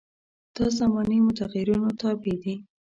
دا زماني متغیرونو تابع دي.